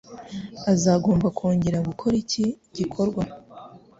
Azagomba kongera gukora iki gikorwa.